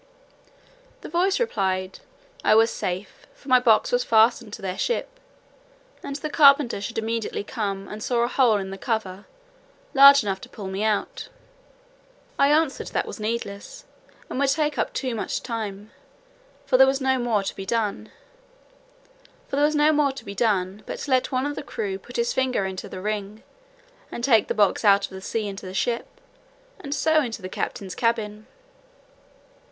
The voice replied, "I was safe, for my box was fastened to their ship; and the carpenter should immediately come and saw a hole in the cover, large enough to pull me out." I answered, "that was needless, and would take up too much time; for there was no more to be done, but let one of the crew put his finger into the ring, and take the box out of the sea into the ship, and so into the captain's cabin."